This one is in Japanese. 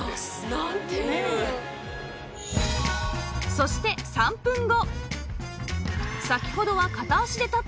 そして３分後